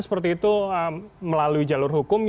seperti itu melalui jalur hukum